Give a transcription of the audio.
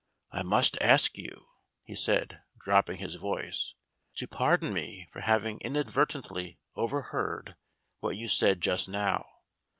"I must ask you" he said, dropping his voice, "to pardon me for having inadvertently overheard what you said just now.